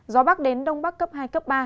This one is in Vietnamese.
gió bắc đến đông bắc cấp hai cấp ba